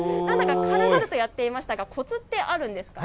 軽々とやっていましたがコツはあるんですか。